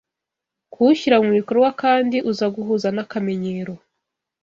kuwushyira mu bikorwa, kandi uza guhuza n’akamenyero